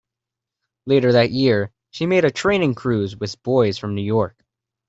Later that year, she made a training cruise with boys from New York.